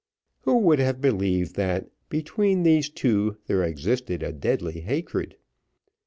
Who would have believed that, between these two, there existed a deadly hatred?